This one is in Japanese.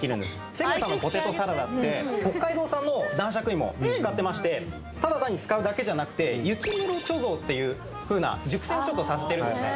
セブンさんのポテトサラダって北海道産の男爵芋を使ってましてただ単に使うだけじゃなくて雪室貯蔵っていうふうな熟成をちょっとさせてるんですね